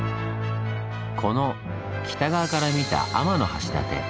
この北側から見た天橋立。